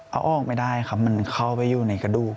เอาออกไม่ได้ครับมันเข้าไปอยู่ในกระดูก